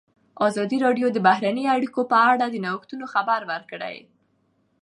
ازادي راډیو د بهرنۍ اړیکې په اړه د نوښتونو خبر ورکړی.